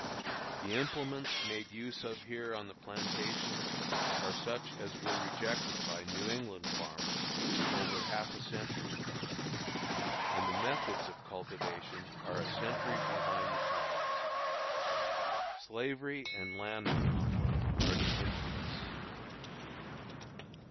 The implements made use of here on the plantations are such as were rejected by New England farmers over half a century ago; and the methods of cultivation are a century behind the times. Slavery and land monopoly are the incubus.